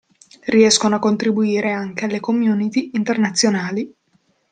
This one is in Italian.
Riescono a contribuire anche alle community internazionali.